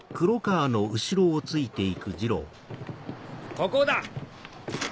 ここだ！